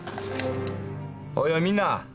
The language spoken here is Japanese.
おいおいみんな。